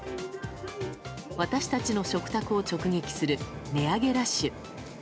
私たちの食卓を直撃する値上げラッシュ。